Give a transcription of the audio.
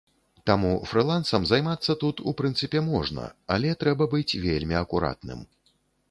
Таму, фрылансам займацца тут, у прынцыпе, можна, але трэба быць вельмі акуратным.